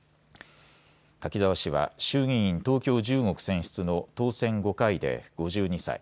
柿沢氏は衆議院東京１５区選出の当選５回で５２歳。